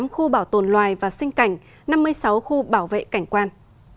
một mươi tám khu bảo tồn loài và sinh cảnh năm mươi sáu khu bảo vệ cảnh quan